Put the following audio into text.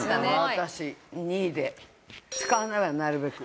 私２位で使わないわなるべく。